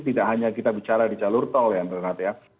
tidak hanya kita bicara di jalur tol ya renat ya